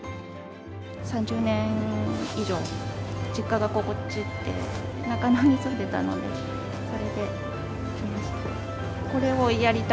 ３０年以上、実家がこっちで、中野に住んでたので、それで来ました。